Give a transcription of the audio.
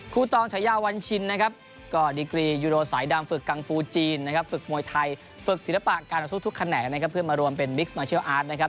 ตองฉายาวัญชินนะครับก็ดีกรียูโรสายดำฝึกกังฟูจีนนะครับฝึกมวยไทยฝึกศิลปะการต่อสู้ทุกแขนงนะครับเพื่อมารวมเป็นบิ๊กสมาเชียลอาร์ตนะครับ